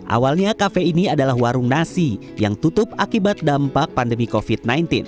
awalnya kafe ini adalah warung nasi yang tutup akibat dampak pandemi covid sembilan belas